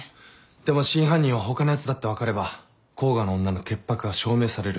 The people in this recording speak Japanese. でも真犯人は他のやつだって分かれば甲賀の女の潔白が証明される。